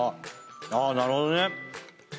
あっなるほどね！